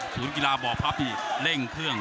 ภูตวรรณสิทธิ์บุญมีน้ำเงิน